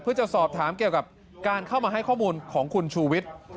เพื่อจะสอบถามเกี่ยวกับการเข้ามาให้ข้อมูลของคุณชูวิทย์